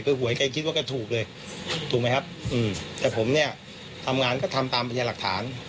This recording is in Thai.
คือหวยแกคิดว่าแกถูกเลยถูกไหมครับอืมแต่ผมเนี่ยทำงานก็ทำตามพยาหลักฐาน